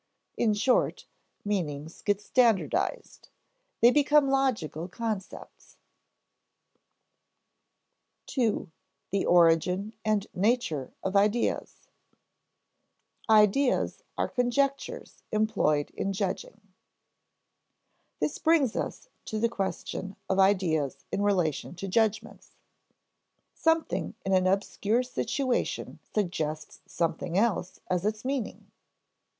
In short, meanings get standardized, they become logical concepts (see below, p. 118). § 2. The Origin and Nature of Ideas [Sidenote: Ideas are conjectures employed in judging] This brings us to the question of ideas in relation to judgments. Something in an obscure situation suggests something else as its meaning.